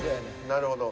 なるほど。